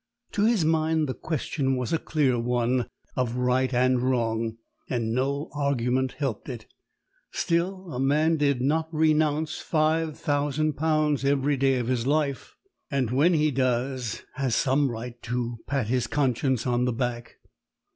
To his mind the question was a clear one of right and wrong, and no argument helped it. Still, a man does not renounce five thousand pounds every day of his life; and, when he does, has some right to pat his conscience on the back.